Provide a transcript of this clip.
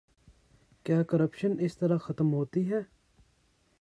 کیا کرپشن اس طرح ختم ہوتی ہے؟